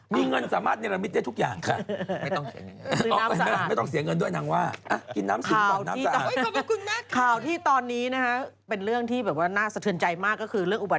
มีเงินสามารถเนรมิตได้ทุกอย่างค่ะ